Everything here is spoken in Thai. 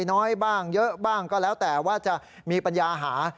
น้อยบ้างเยอะบ้างก็แล้วแต่ว่าจะมีปัญญาหา